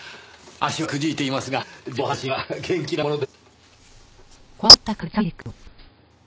足はくじいていますが上半身は元気なもので。